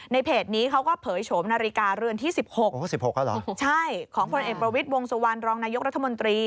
ในเพจนี้เขาก็เผยโฉมนาฬิกาเรื่องที่๑๖